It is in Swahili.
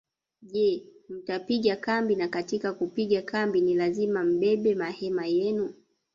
Je mtapiga kambi na katika kupiga kambi ni lazima mbebe mahema yenu